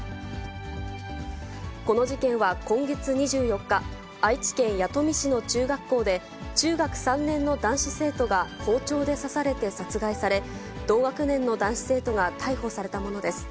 この事件は今月２４日、愛知県弥富市の中学校で、中学３年の男子生徒が包丁で刺されて殺害され、同学年の男子生徒が逮捕されたものです。